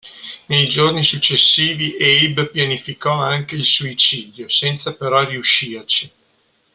Nei giorni successivi Abe pianificò anche il suicidio, senza però riuscirci.